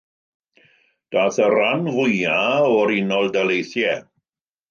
Daeth y rhan fwyaf o'r Unol Daleithiau.